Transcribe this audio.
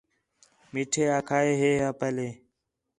میٹھے آکھا ہے ہِے وا پہلے